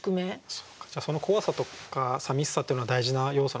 その怖さとかさみしさっていうのは大事な要素なんですね。